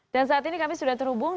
dan saat ini kami sudah terhubung